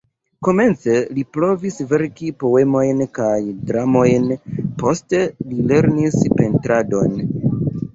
Komence li provis verki poemojn kaj dramojn, poste li lernis pentradon.